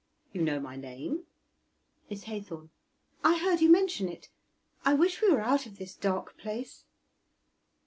_ You know my name? Miss Haythorn. I heard you mention it. I wish we were out of this dark place.